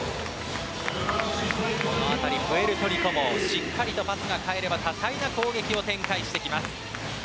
この辺りプエルトリコもしっかりパスが返れば多彩な攻撃を展開してきます。